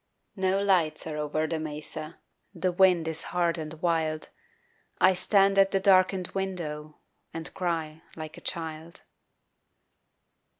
No lights are over the mesa, The wind is hard and wild, I stand at the darkened window And cry like a child.